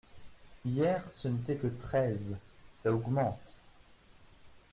Hier, ce n’était que treize… ça augmente…